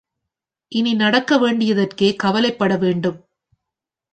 இனி நடக்க வேண்டியதற்கே கவலைப் படவேண்டும்.